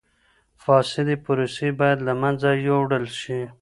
فاسدی پروسې باید له منځه یوړل شي.